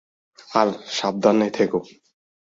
আর, সাবধানে থেকো।